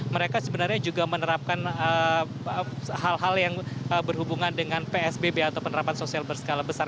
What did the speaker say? mereka sebenarnya juga menerapkan hal hal yang berhubungan dengan psbb atau penerapan sosial berskala besar